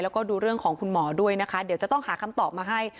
แล้วก็ดูเรื่องของคุณหมอด้วยนะคะเดี๋ยวจะต้องหาคำตอบมาให้